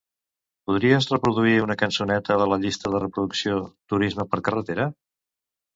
Podries reproduir una cançoneta de la llista de reproducció "turisme per carretera"?